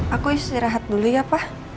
aku istirahat dulu ya pak